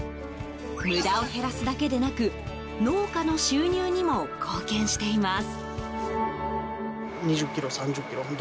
無駄を減らすだけでなく農家の収入にも貢献しています。